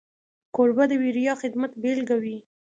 کوربه د بېریا خدمت بيلګه وي.